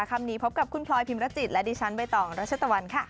คำนี้พบกับคุณพลอยพิมรจิตและดิฉันใบตองรัชตะวันค่ะ